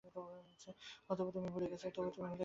অথবা তুমি ভুলে গেছ।